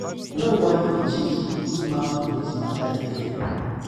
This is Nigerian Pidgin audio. We no want the chiefs to put mouth for dis matta again.